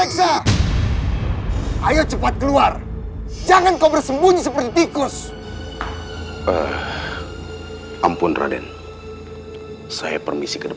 aku buat kalian semua menyesal